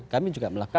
kami juga melakukan